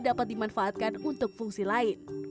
dapat dimanfaatkan untuk fungsi lain